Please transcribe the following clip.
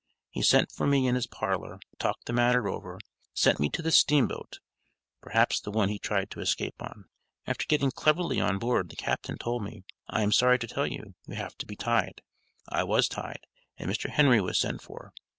He sent for me in his parlor, talked the matter over, sent me to the steamboat (perhaps the one he tried to escape on.) After getting cleverly on board the captain told me, I am sorry to tell you, you have to be tied. I was tied and Mr. Henry was sent for.